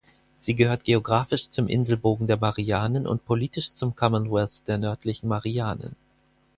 Sie gehört geographisch zum Inselbogen der Marianen und politisch zum Commonwealth der Nördlichen Marianen.